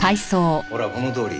ほらこのとおり。